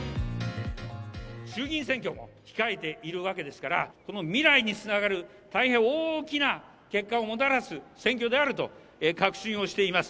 衆議院選挙も控えているわけですから、未来につながる、大変大きな結果をもたらす選挙であると確信をしています。